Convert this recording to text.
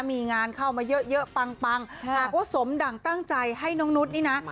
มีงานเข้ามาเยอะเยอะปังปังหากว่าสมดั่งตั้งใจให้น้องนุษย์นี่นะ